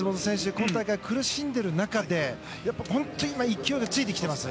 今大会苦しんでいる中で今、勢いがついてきています。